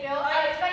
はい。